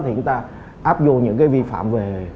thì chúng ta áp dụng những cái vi phạm về